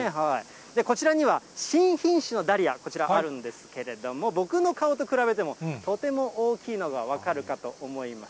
こちらには新品種のダリア、こちら、あるんですけれども、僕の顔と比べても、とても大きいのが分かるかと思います。